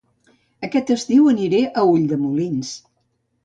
Aquest estiu aniré a Ulldemolins